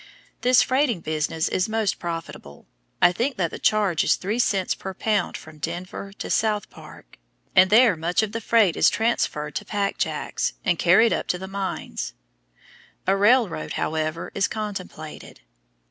This freighting business is most profitable. I think that the charge is three cents per pound from Denver to South Park, and there much of the freight is transferred to "pack jacks" and carried up to the mines. A railroad, however, is contemplated.